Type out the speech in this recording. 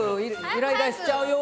イライラしちゃうよ。